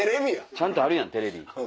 ちゃんとあるやんテレビ。